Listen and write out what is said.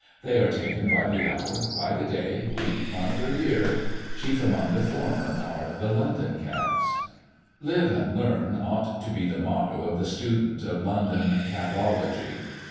They are taken by the hour, by the day, week, month, or year. Chief among the former are the London cabs. "Live and learn," ought to be the motto of the student of London cab ology.